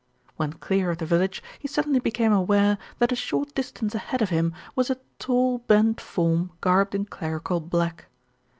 When clear of the village, he suddenly became aware that a short distance ahead of him was a tall, bent form garbed in clerical black.